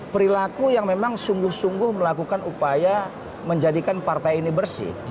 perilaku yang memang sungguh sungguh melakukan upaya menjadikan partai ini bersih